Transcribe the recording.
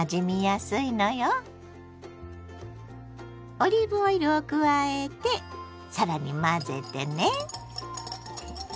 オリーブオイルを加えて更に混ぜてね。